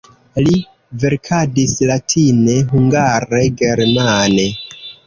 Li verkadis latine, hungare, germane.